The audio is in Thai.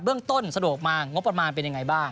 เรื่องต้นสะดวกมางบประมาณเป็นยังไงบ้าง